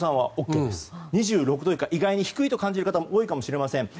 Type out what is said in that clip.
２６度以下、意外に低いと感じる人いるかもしれません。